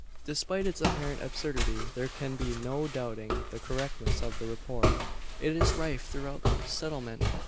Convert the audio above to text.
Despite its apparent absurdity, there can be no doubting the correctness of the report. It is rife throughout the settlement.